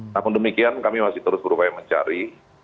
namun demikian kami masih terus berupaya mencari